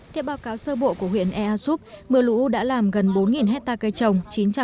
theo báo cáo sơ bộ của huyện ea súp mưa lũ đã làm gần bốn hectare cây trồng